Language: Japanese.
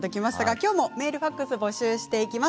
きょうもメールファックスを募集します。